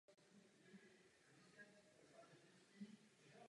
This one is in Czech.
Používá se zejména na stavbu lodí a různé mořské konstrukce a stavby.